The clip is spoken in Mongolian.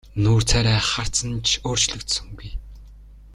Нүүр царай харц нь ч өөрчлөгдсөнгүй.